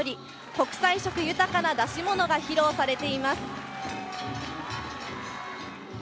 国際色豊かな出し物が披露されています。